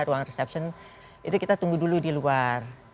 ruang reception itu kita tunggu dulu di luar